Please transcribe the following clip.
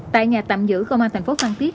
tại nhà tạm giữ công an tp phan tiết